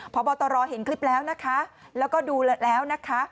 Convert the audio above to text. พบตรเห็นคลิปแล้วนะคะแล้วก็ดูแล้วนะคะ